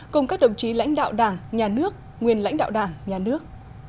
cùng các đồng chí lãnh đạo đảng nhà nước nguyên lãnh đạo đảng nhà nước